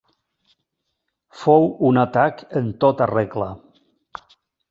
Fou un atac en tota regla.